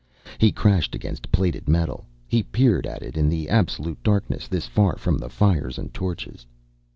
He crashed against plated metal. He peered at it in the absolute darkness this far from the fires and torches.